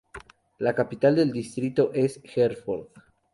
La capital del distrito es Herford.